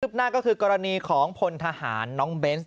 หน้าก็คือกรณีของพลทหารน้องเบนส์